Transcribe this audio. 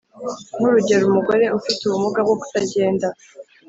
Nk’urugero umugore ufite ubumuga bwo kutagenda.